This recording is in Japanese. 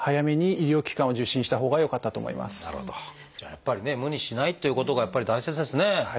やっぱりね無理しないということがやっぱり大切ですね。